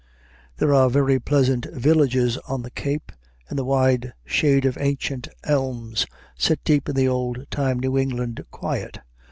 There are very pleasant villages on the Cape, in the wide shade of ancient elms, set deep in the old time New England quiet.